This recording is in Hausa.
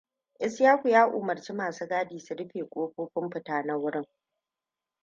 Ishaku ya umarci masu gadi su rufe kofofin fita na wurin.